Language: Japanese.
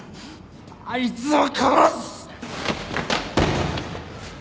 あいつを殺す！